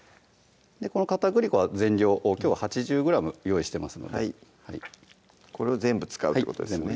この片栗粉は全量きょうは８０ｇ用意してますのでこれを全部使うってことですね